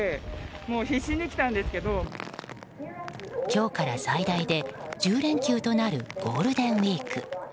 今日から最大で１０連休となるゴールデンウィーク。